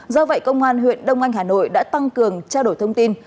do vậy công an huyện đông anh hà nội đã tăng cường trao đổi thông tin